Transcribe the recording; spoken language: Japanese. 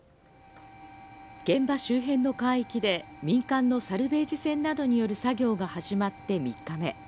現場周辺の海域で、民間のサルベージ船などによる作業が始まって３日目。